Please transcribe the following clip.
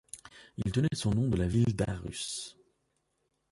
Il tenait son nom de la ville d’Århus.